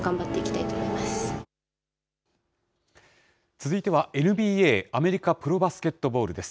続いては、ＮＢＡ・アメリカプロバスケットボールです。